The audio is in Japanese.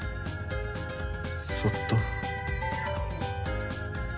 そっと